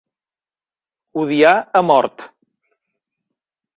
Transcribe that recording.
Odiar a mort.